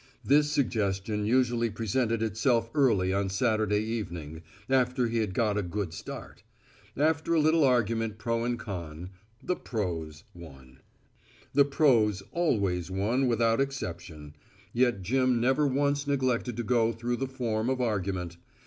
This suggestion usually presented itself early on Saturday evening, after he had got a good start. After a little argument pro and con, the pros won. The pros always won without exception, yet Jim never once neglected to go through the form of argument.